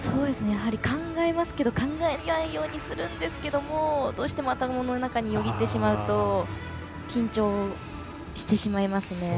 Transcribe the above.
考えますけど考えないようにするんですけどどうしても頭の中によぎってしまうと緊張してしまいますね。